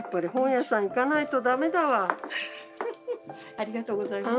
ありがとうございます。